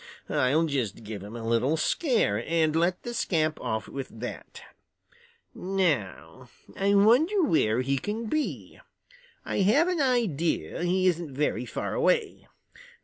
I'll just give him a little scare and let the scamp off with that. Now, I wonder where he can be. I have an idea he isn't very far away.